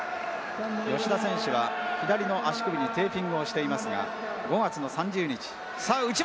吉田選手は左の足首にテーピングをしていますが５月の３０日さあ内股！